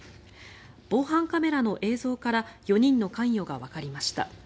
防犯カメラの映像から４人の関与がわかりました。